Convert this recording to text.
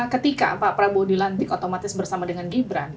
ketika pak prabowo dilantik otomatis bersama dengan gibran